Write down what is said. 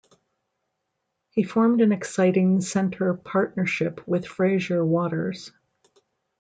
He formed an exciting centre partnership with Fraser Waters.